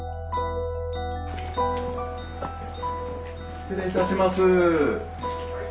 失礼いたします。